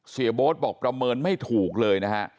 เสียโบ๊ทบอกประเมินไม่ถูกเลยนะฮะ